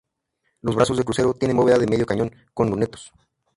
Los brazos del crucero tienen bóveda de medio cañón con lunetos.